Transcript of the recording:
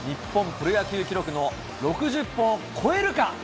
プロ野球記録の６０本を超えるか？